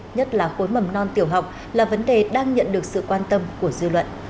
nhất là khối mầm non tiểu học là vấn đề đang nhận được sự quan tâm của dư luận